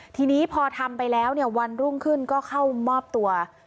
ทีนี้พอทำไปแล้วเนี่ยวันรุ่งขึ้นก็เข้ามอบตัว